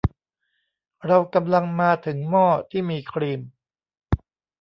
เรากำลังมาถึงหม้อที่มีครีม